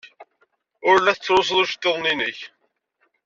Ur la tettlusuḍ iceḍḍiḍen-nnek.